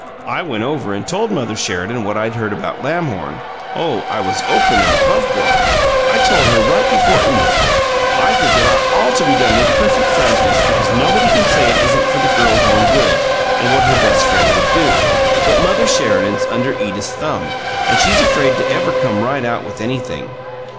I went over and told Mother Sheridan what I'd heard about Lamhorn oh, I was open and aboveboard! I told her right before Edith. I think it ought all to be done with perfect frankness, because nobody can say it isn't for the girl's own good and what her best friend would do. But Mother Sheridan's under Edith's thumb, and she's afraid to ever come right out with anything.